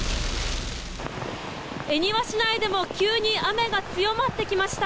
恵庭市内でも急に雨が強まってきました。